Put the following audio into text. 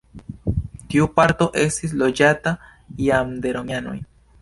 Tiu parto estis loĝata jam de romianoj.